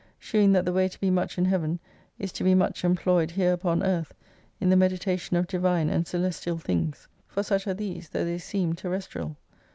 shewing that the way to be much in heaven is to be much employed here upon Earth in the medi tation of divine and celestial things. For such are these, though they seem terrestrial.